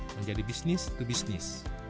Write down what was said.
menjadi bisnis ke bisnis